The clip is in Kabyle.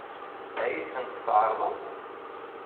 Ad iyi-tent-tɛeṛḍem?